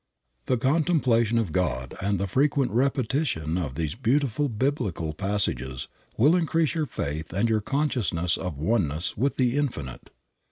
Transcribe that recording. The contemplation of God and the frequent repetition of these beautiful Bible passages will increase your faith and your consciousness of oneness with the Infinite.